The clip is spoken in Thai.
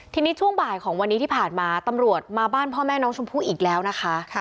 ทีนี้ช่วงบ่ายของวันนี้ที่ผ่านมาตำรวจมาบ้านพ่อแม่น้องชมพู่อีกแล้วนะคะ